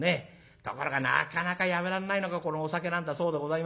ところがなかなかやめられないのがこのお酒なんだそうでございますよ。